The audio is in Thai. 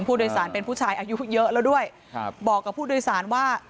ผู้โดยสารเป็นผู้ชายอายุเยอะแล้วด้วยครับบอกกับผู้โดยสารว่า